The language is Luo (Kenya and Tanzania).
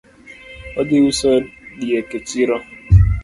Odhi uso diek e chiro